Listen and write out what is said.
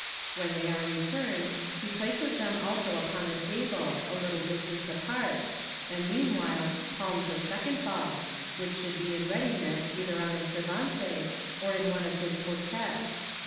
When they are returned, he places them also upon the table, a little distance apart, and meanwhile palms a Fig. 196. 36a MODERN MAGIC second ball, which should be in readiness either on the servante, oe in one of his pochettes.